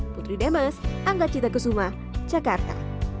putri demes anggacita kesumah jakarta